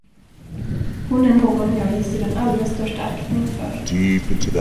Hon är någon jag hyser den allra största aktning för.